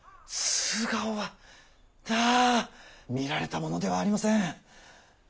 素顔はあ見られたものではありません。